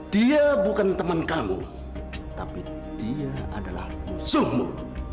dia bukan teman kamu tapi dia adalah musuhmu